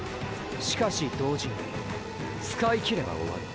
しかし同時に使いきれば終わる